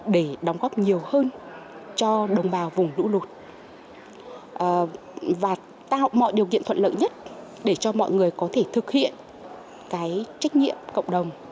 để đóng góp nhiều hơn cho đồng bào vùng lũ lụt và tạo mọi điều kiện thuận lợi nhất để cho mọi người có thể thực hiện cái trách nhiệm cộng đồng